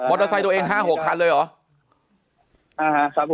มอเตอร์ไซค์ตัวเองห้าหกคันเลยเหรอ